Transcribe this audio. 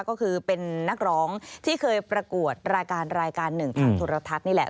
ก็คือเป็นนักร้องที่เคยประกวดรายการรายการหนึ่งทางโทรทัศน์นี่แหละ